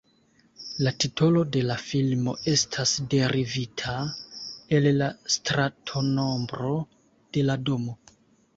La titolo de la filmo estas derivita el la stratonombro de la domo.